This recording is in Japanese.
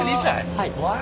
はい。